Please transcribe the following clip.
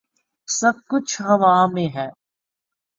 سب کچھ ہوا میں ہے۔